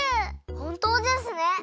ほんとうですね。